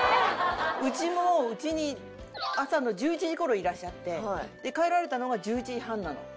うちもうちに朝の１１時頃いらっしゃって帰られたのが１１時半なの。